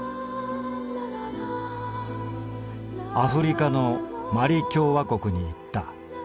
「アフリカのマリ共和国に行った。